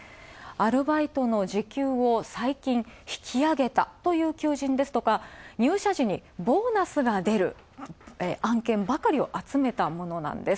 アルバイトの時給を最近、引き上げたという求人ですとか入社時にボーナスが出る案件ばかりを集めたものなんです。